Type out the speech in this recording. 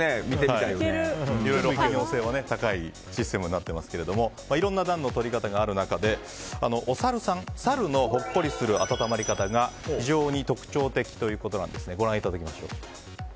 汎用性は高いシステムになっていますがいろんな暖のとり方がある中サルのほっこりする暖まり方が非常に特徴的ということでご覧いただきましょう。